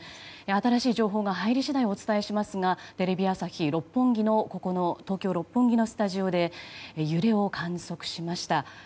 新しい情報が入り次第お伝えしますがテレビ朝日東京・六本木のスタジオで揺れを観測しました。